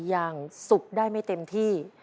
อย่างสุกได้ไม่เต็มที่